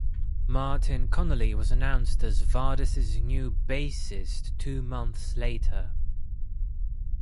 Martin Connolly was announced as Vardis' new bassist two months later.